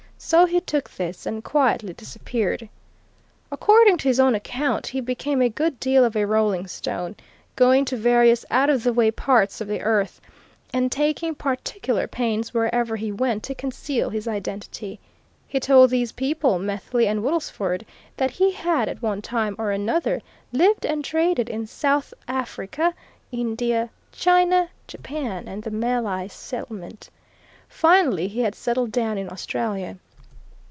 So he took this and quietly disappeared. "According to his own account he became a good deal of a rolling stone, going to various out of the way parts of the earth, and taking particular pains, wherever he went, to conceal his identity. He told these people Methley and Woodlesford, that he had at one time or another lived and traded in South Africa, India, China, Japan and the Malay Settlement finally he had settled down in Australia.